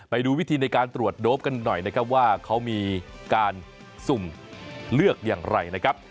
ไปดูวิธีในการตรวจโดปกันหน่อยนะครับว่าเขามีการสุ่มเลือกอย่างไรนะครับ